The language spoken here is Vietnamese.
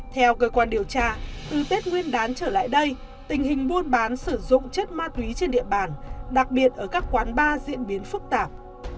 theo cơ quan điều tra từ tết nguyên đán trở lại đây tình hình buôn bán sử dụng chất ma túy trên địa bàn đặc biệt ở các quán bar diễn biến phức tạp